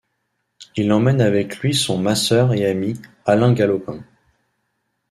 Il emmène avec lui son masseur et ami, Alain Gallopin.